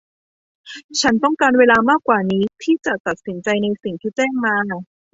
ฉันต้องการเวลามากกว่านี้ที่จะตัดสินใจในสิ่งที่แจ้งมา